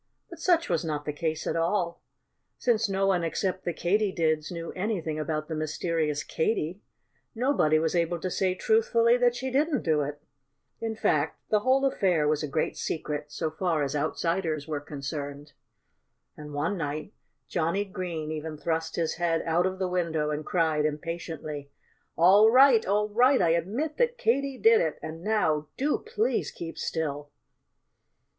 But such was not the case at all. Since no one except the Katydids knew anything about the mysterious Katy, nobody was able to say truthfully that she didn't do it. In fact, the whole affair was a great secret, so far as outsiders were concerned. And one night Johnnie Green even thrust his head out of the window and cried impatiently: "All right! All right! I admit that Katy did it. And now do please keep still!"